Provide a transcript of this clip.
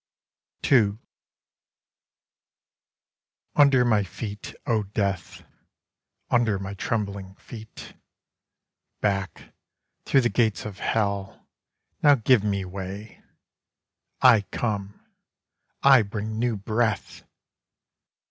II Under my feet, O Death, Under my trembling feet! Back, through the gates of hell, now give me way. I come. I bring new Breath!